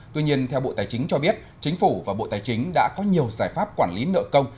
tuy nhiên theo bộ tài chính cho biết chính phủ và bộ tài chính đã có nhiều giải pháp quản lý nợ công